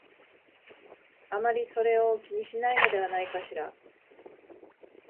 あまりそれを気にしないのではないかしら